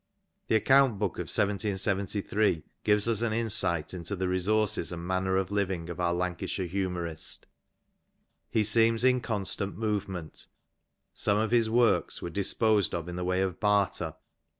The account book of i 773 gives us an insight into the resources and manner of living of our Lancashire humorist. He seems in constant movement. Some of his works were disposed of in the way of barter.